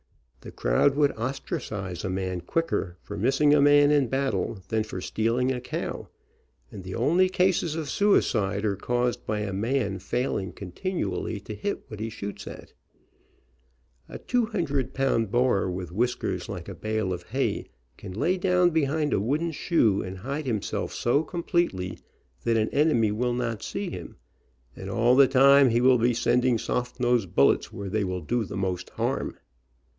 The crowd would ostra cize a man quicker for missing a man in battle than foi stealing a cow, and the only cases of suicide are caused by a man failing continually to hit what he shoots at. A 2OO pound Boer, with whiskers like a bale of hay, can lay down behind a wooden shoe and hide himself so completely that an enemy will not see him, and all the time he will be sending soft nosed bullets where they will do the most harm.